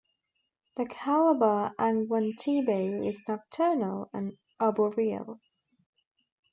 The Calabar angwantibo is nocturnal and arboreal.